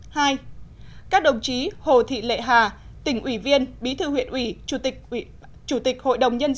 hai các đồng chí hồ thị lệ hà tỉnh ủy viên bí thư huyện ủy chủ tịch hội đồng nhân dân